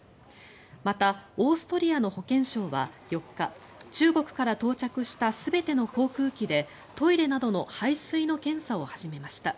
また、オーストリアの保健省は４日中国から到着した全ての航空機でトイレなどの排水の検査を始めました。